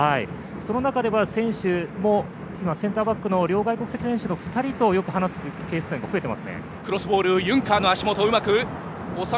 その中で、選手もセンターバックの両外国籍選手の２人とよく話すケースが増えていますね。